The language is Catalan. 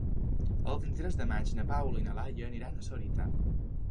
El vint-i-tres de maig na Paula i na Laia aniran a Sorita.